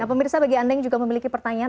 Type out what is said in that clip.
nah pemirsa bagi anda yang juga memiliki pertanyaan